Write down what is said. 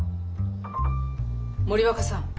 森若さん